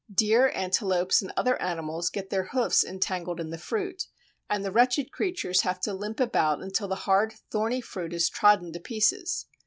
Deer, antelopes, and other animals get their hoofs entangled in the fruit, and the wretched creatures have to limp about until the hard thorny fruit is trodden to pieces.